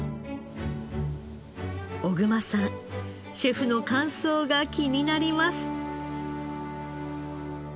小熊さんシェフの感想が気になります。